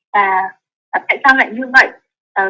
và tại sao lại như vậy